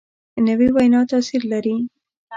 نوې وینا تاثیر لري